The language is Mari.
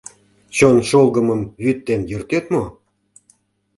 Чон шолгымым вÿд ден йöртет мо?